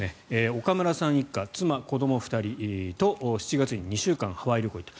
岡村さん一家妻、子ども２人と７月に２週間ハワイ旅行に行った。